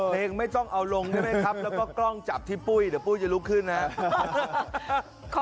ไม่ต้องเอาลงใช่ไหมครับแล้วก็กล้องจับที่ปุ้ยเดี๋ยวปุ้ยจะลุกขึ้นนะครับ